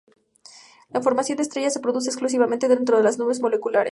La formación de estrellas se produce exclusivamente dentro de las nubes moleculares.